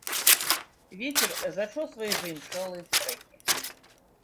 Вецер зачосвае заімшэлыя стрэхі.